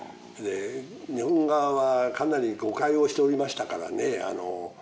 日本側はかなり誤解をしておりましたからね。